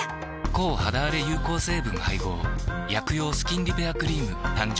抗肌あれ有効成分配合薬用スキンリペアクリーム誕生